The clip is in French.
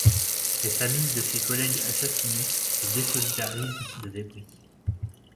Les familles de ses collègues assassinés se désolidarisent de Debry.